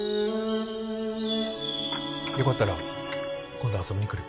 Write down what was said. よかったら今度遊びに来る？